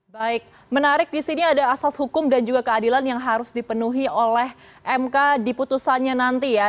baik menarik di sini ada asas hukum dan juga keadilan yang harus dipenuhi oleh mk di putusannya nanti ya